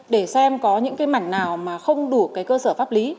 để xem có những mảnh nào mà không đủ cơ sở pháp lý